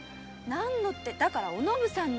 何のってだからおのぶさんの。